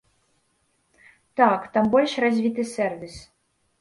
Так, там больш развіты сэрвіс.